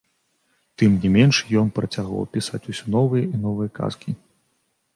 Тым не менш ён працягваў пісаць усё новыя і новыя казкі.